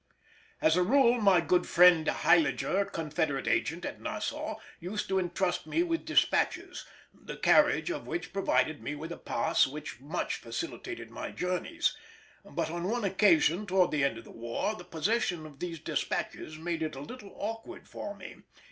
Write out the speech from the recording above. As a rule my good friend Heiliger, Confederate Agent at Nassau, used to entrust me with despatches, the carriage of which provided me with a pass which much facilitated my journeys; but on one occasion towards the end of the war the possession of these despatches made it a little awkward for me.